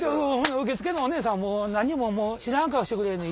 受付のお姉さんも知らん顔してくれんねん